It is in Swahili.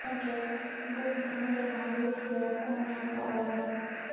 nguvu pamoja na harufu ya kuni Hapo awali